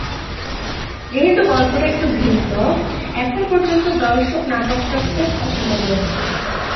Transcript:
যেহেতু গল্পটা একটু ভিন্ন, এখন পর্যন্ত দর্শক নাটকটা খুব পছন্দ করেছে।